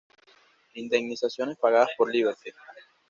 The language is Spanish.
Indemnizaciones pagadas por Liberty.